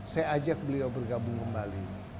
saya ajak beliau bergabung kembali